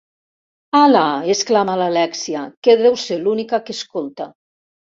Hala!, exclama l'Alèxia, que deu ser l'única que escolta.